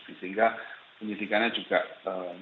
bisa jadi karena memang semua justru karena